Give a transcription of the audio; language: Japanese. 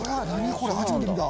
これ初めて見た。